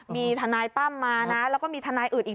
มีทนายตั้มมานะแล้วก็มีทนายอื่นอีก